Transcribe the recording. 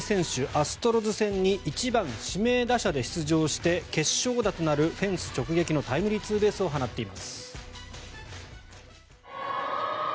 アストロズ戦に１番指名打者で出場して決勝打となる、フェンス直撃のタイムリーツーベースを放っています。